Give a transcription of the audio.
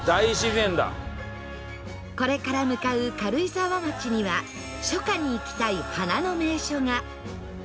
これから向かう軽井沢町には初夏に行きたい花の名所が